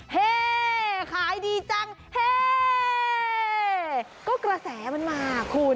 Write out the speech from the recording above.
เฮ่ขายดีจังเฮ่ก็กระแสมันมาคุณ